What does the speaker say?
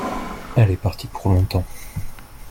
elle est partie pour longtemps.